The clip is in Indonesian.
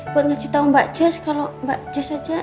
buat ngasih tau mbak jess kalo mbak jess aja